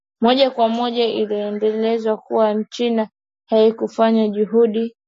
moja kwa moja ila inaeleza kuwa china haikufanya juhudi